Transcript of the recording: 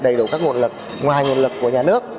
đầy đủ các nguồn lực ngoài nguồn lực của nhà nước